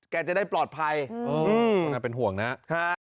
แกจะได้ปลอดภัยผมก็เป็นห่วงนะครับ